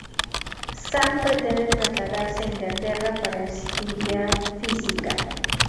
Sam pretende trasladarse a Inglaterra para estudia Física.